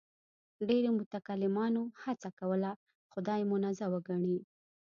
ډېرو متکلمانو هڅه کوله خدای منزه وګڼي.